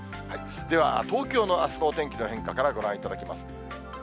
では東京のあすのお天気の変化からご覧いただきます。